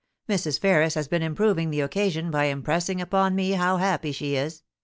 Mrs. Ferris has been improving the occasion by impressing upon me how happy she is.